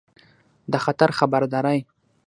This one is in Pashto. د خطر خبرداری